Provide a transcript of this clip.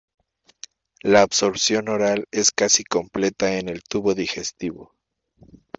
La absorción oral es casi completa en el tubo digestivo.